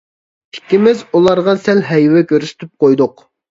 ئىككىمىز ئۇلارغا سەل ھەيۋە كۆرسىتىپ قويدۇق.